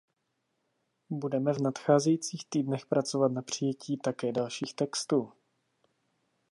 Budeme v nadcházejících týdnech pracovat na přijetí také dalších textů.